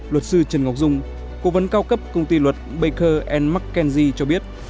luật sư trần ngọc dung cố vấn cao cấp công ty luật baker mckenzie cho biết